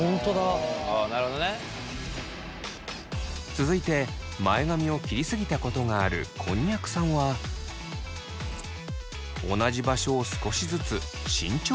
続いて前髪を切りすぎたことがあるこんにゃくさんは同じ場所を少しずつ慎重に切るやり方。